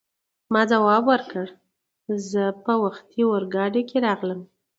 ما ځواب ورکړ: زه په وختي اورګاډي کې راغلم.